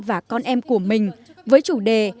và con em của mình với chủ đề